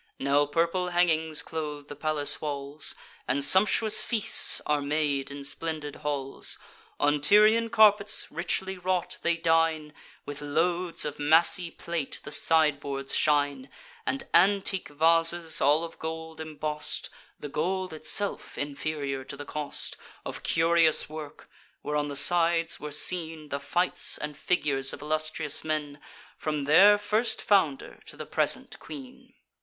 Now purple hangings clothe the palace walls, And sumptuous feasts are made in splendid halls: On Tyrian carpets, richly wrought, they dine; With loads of massy plate the sideboards shine, And antique vases, all of gold emboss'd (The gold itself inferior to the cost), Of curious work, where on the sides were seen The fights and figures of illustrious men, From their first founder to the present queen.